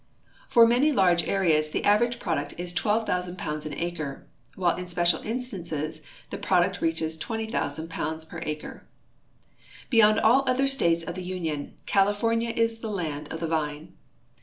For many large areas the average iDi'oduct is 12,000 pounds an acre, while in special instances the product reaches 20,000 pounds per acre. Beyond all other states of the Union, California is the land of the vine.